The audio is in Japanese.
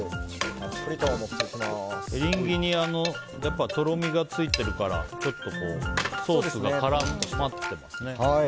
やっぱり、エリンギにとろみがついてるからちょっとソースが絡まってます。